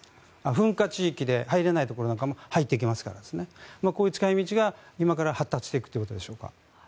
噴火地域で入れないところも入っていけますからこういう使い道が今から発達していくということでしょうか。